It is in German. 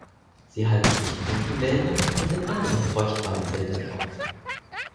Sie halten sich in Regenwäldern und in anderen feuchtwarmen Wäldern auf.